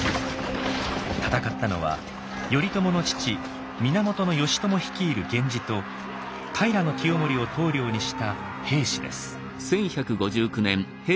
戦ったのは頼朝の父源義朝率いる源氏と平清盛を棟梁にした平氏です。